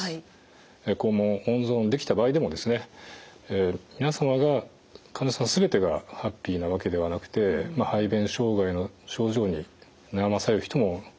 肛門を温存できた場合でも皆様が患者さん全てがハッピーなわけではなくて排便障害の症状に悩まされる人も実はいるんですね。